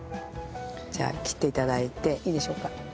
じゃあ切って頂いていいでしょうか？